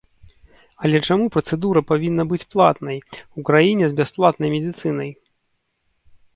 Але чаму працэдура павінна быць платнай у краіне з бясплатнай медыцынай?